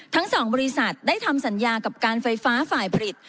ทั้ง๒บริษัทได้ทำสัญญากับการไฟฟ้าฝ่ายผลิต